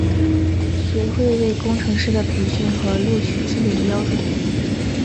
学会为工程师的培训和录取制定标准。